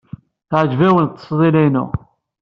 Teɛǧeb-awen ttesḍila-ya-inu?